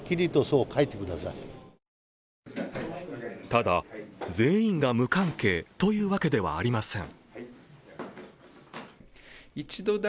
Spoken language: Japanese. ただ、全員が無関係というわけではありません。